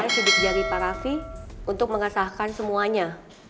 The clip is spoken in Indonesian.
dia menggunakan sidik jari pak raffi untuk mengesahkan semuanya